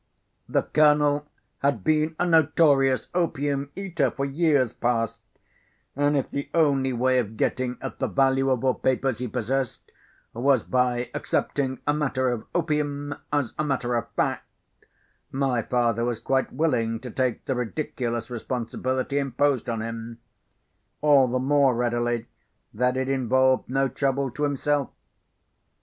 The Colonel had been a notorious opium eater for years past; and, if the only way of getting at the valuable papers he possessed was by accepting a matter of opium as a matter of fact, my father was quite willing to take the ridiculous responsibility imposed on him—all the more readily that it involved no trouble to himself.